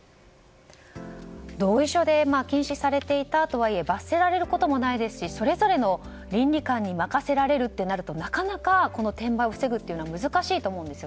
同意書で禁止されていたとはいえ罰せられることもないですしそれぞれの倫理観に任せられるとなるとなかなか転売を防ぐのは難しいと思います。